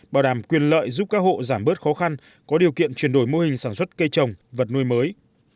bảo đảm quyền lợi giúp các hộ giảm bớt khó khăn có điều kiện chuyển đổi mô hình sản xuất cây trồng vật nuôi mới